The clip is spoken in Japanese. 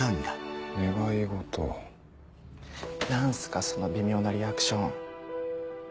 何すかその微妙なリアクション。